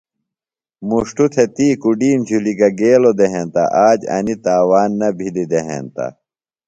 مُݜٹوۡ تھےۡ تی کۡڈِیم جُھلیۡ گہ گیلوۡ دےۡ ہینتہ آج انیۡ تاوان نہ بِھلیۡ دےۡ ہینتہ۔